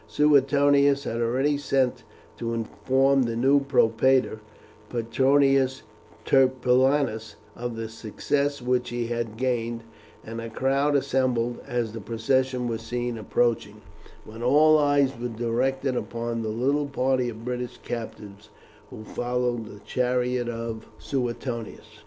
Suetonius had already sent to inform the new propraetor, Petronius Turpillianus, of the success which he had gained, and a crowd assembled as the procession was seen approaching, while all eyes were directed upon the little party of British captives who followed the chariot of Suetonius.